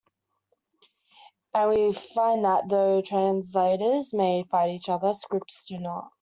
And we find that though translators may fight each other, scripts do not.